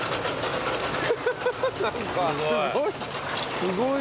すごいな。